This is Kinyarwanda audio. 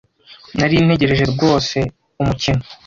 Nari ntegereje rwose umukino.